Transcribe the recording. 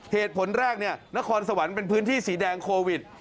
เหตุผลแรกนครสวรรค์เป็นพื้นที่สีแดงโควิด